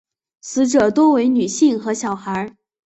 死者多为女性和小孩。